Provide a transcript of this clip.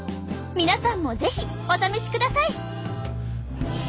皆さんも是非お試しください。